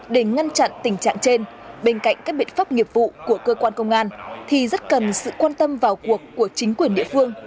để ngăn chặn tình trạng trên bên cạnh các biện pháp nghiệp vụ của cơ quan công an thì rất cần sự quan tâm vào cuộc của chính quyền địa phương